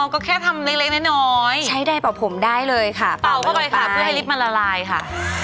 ก็แค่ทำเล็กน้อยใช้ใดเป่าผมได้เลยค่ะเป่าเข้าไปค่ะเพื่อให้ลิฟต์มันละลายค่ะ